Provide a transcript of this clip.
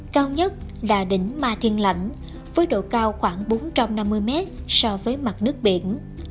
cao nhất là đỉnh ma thiên lãnh với độ cao khoảng bốn trăm năm mươi mét so với mặt nước biển